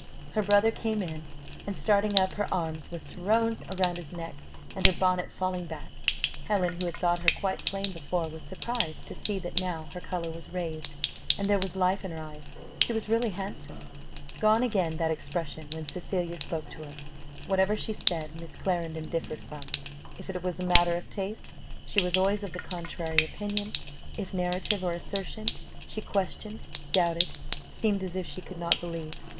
Her brother came in, and, starting up, her arms were thrown round his neck, and her bonnet falling back, Helen who had thought her quite plain before, was surprised to see that, now her colour was raised, and there was life in her eyes, she was really handsome. Gone again that expression, when Cecilia spoke to her: whatever she said, Miss Clarendon differed from; if it was a matter of taste, she was always of the contrary opinion; if narrative or assertion, she questioned, doubted, seemed as if she could not believe.